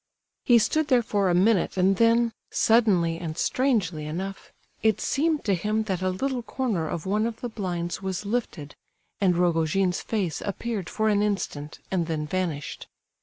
He stood there for a minute and then, suddenly and strangely enough, it seemed to him that a little corner of one of the blinds was lifted, and Rogojin's face appeared for an instant and then vanished.